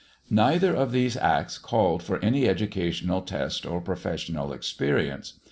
Neither of these Acts called for any educational test or professional experience.